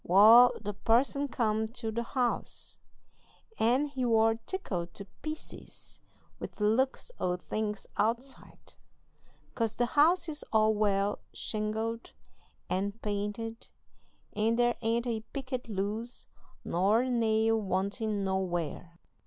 Wal, the parson come to the house, and he war tickled to pieces with the looks o' things outside, 'cause the house is all well shingled and painted, and there ain't a picket loose nor a nail wantin' nowhere.